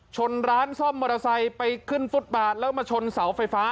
ชนร้านซ่อมมอเตอร์ไซค์ไปขึ้นฟุตบาทแล้วมาชนเสาไฟฟ้า